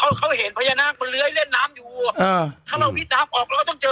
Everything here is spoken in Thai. เขาเขาเห็นพญานาคมันเลื้อยเล่นน้ำอยู่อ่าถ้าเราวิดน้ำออกเราก็ต้องเจอ